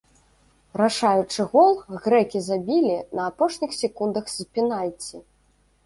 Рашаючы гол грэкі забілі на апошніх секундах з пенальці.